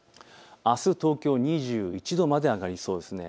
あす東京２１度まで上がりそうです。